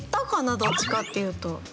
どっちかっていうと。